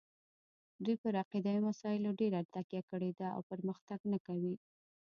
دوی پر عقیدوي مسایلو ډېره تکیه کړې ده او پرمختګ نه کوي.